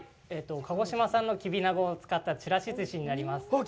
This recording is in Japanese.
鹿児島産のキビナゴを使ったちらし寿司になります。